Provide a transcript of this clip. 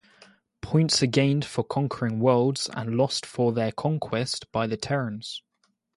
Points are gained for conquering worlds and lost for their conquest by the Terrans.